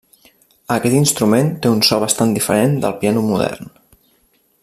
Aquest instrument té un so bastant diferent del piano modern.